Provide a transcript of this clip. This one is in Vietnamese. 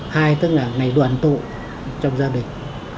hai tức là ngày đoàn tụ trong gia đình